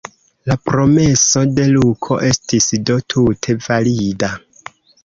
La promeso de Luko estis do tute valida.